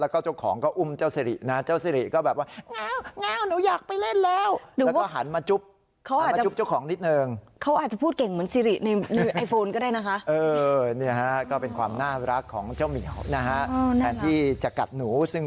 แล้วเจ้าของก็อุ้มเจ้าสิรินะท่านั่งก็หันมาจุ๊บเจ้าของนิดนึง